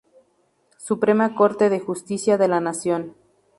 Suprema Corte de Justicia de la Nación.